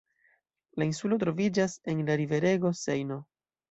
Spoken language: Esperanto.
La insulo troviĝas en la riverego Sejno.